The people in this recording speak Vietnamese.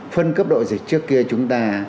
phân cấp độ dịch trước kia chúng ta